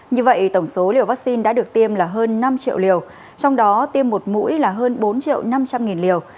như vậy tổng số liều vaccine đã được tiêm là hơn năm triệu liều trong đó tiêm một mũi là hơn bốn triệu năm trăm linh liều